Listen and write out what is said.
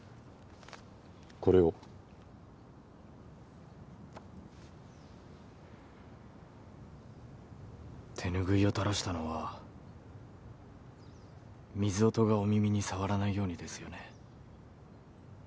これを手ぬぐいを垂らしたのは水音がお耳にさわらないようにですよね？